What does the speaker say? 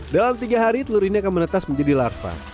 dalam tiga hari telur ini akan menetas menjadi larva